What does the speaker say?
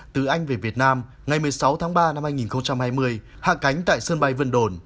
từ anh về việt nam ngày một mươi sáu tháng ba năm hai nghìn hai mươi hạ cánh tại sân bay vân đồn